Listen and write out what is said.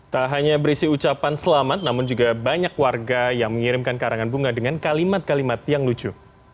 tak hanya berisi ucapan selamat namun juga banyak warga yang mengirimkan karangan bunga dengan kalimat kalimat yang lucu